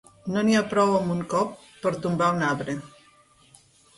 No n'hi ha prou amb un cop per tombar un arbre.